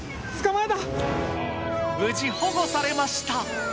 無事保護されました。